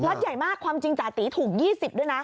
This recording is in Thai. ใหญ่มากความจริงจาติถูก๒๐ด้วยนะ